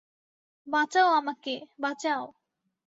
বাঁচাও আমাকে, বাঁচাও।